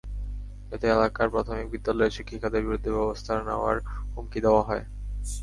এতে এলাকার প্রাথমিক বিদ্যালয়ের শিক্ষিকাদের বিরুদ্ধে ব্যবস্থা নেওয়ার হুমকি দেওয়া হয়।